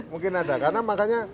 mungkin ada karena makanya